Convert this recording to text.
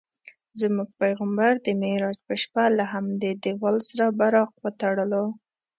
زموږ پیغمبر د معراج په شپه له همدې دیوال سره براق وتړلو.